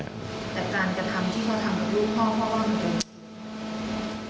แต่การกระทำที่เขาทำกับลูกพ่อพ่อมันเป็นไง